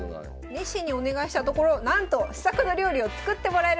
熱心にお願いしたところなんと試作の料理を作ってもらえることになりました。